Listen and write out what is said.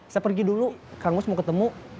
saya pergi dulu kang gus mau ketemu